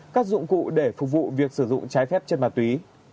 các dụng cụ để phục vụ việc sử dụng trái phép chất ma túy